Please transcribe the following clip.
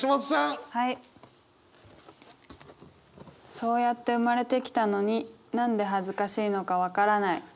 「そうやって生まれてきたのになんで恥ずかしいのかわからない」。